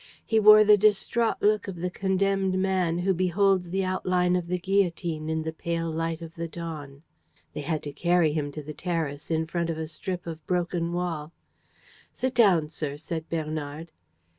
He wore the distraught look of the condemned man who beholds the outline of the guillotine in the pale light of the dawn. They had to carry him to the terrace, in front of a strip of broken wall. "Sit down, sir," said Bernard.